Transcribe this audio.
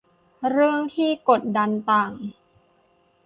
เรื่องที่กดดันต่าง